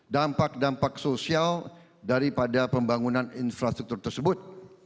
dampak dampak sosial daripada pembangunan infrastruktur tersebut